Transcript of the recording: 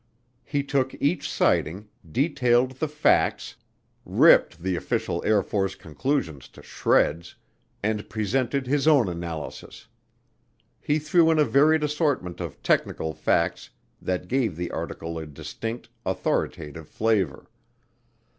He took each sighting, detailed the "facts," ripped the official Air Force conclusions to shreds, and presented his own analysis. He threw in a varied assortment of technical facts that gave the article a distinct, authoritative flavor.